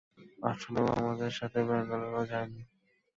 আসলে, ও আমাদের সাথে ব্যাঙ্গালোর যায়নি।